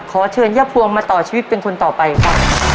ขอชีวิตเป็นคนต่อไปค่ะ